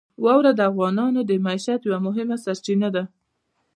واوره د افغانانو د معیشت یوه مهمه سرچینه ده.